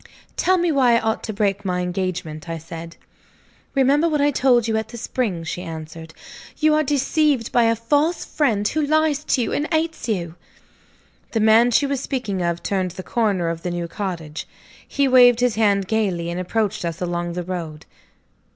"Tell me why I ought to break my engagement," I said. "Remember what I told you at the spring," she answered. "You are deceived by a false friend who lies to you and hates you." The man she was speaking of turned the corner of the new cottage. He waved his hand gaily, and approached us along the road.